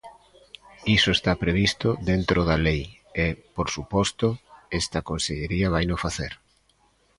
Iso está previsto dentro da lei e, por suposto, esta consellería vaino facer.